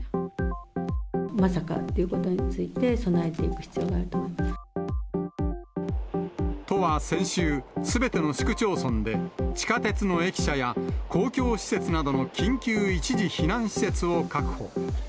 まさかっていうことについて、都は先週、すべての市区町村で、地下鉄の駅舎や公共施設などの緊急一時避難施設を確保。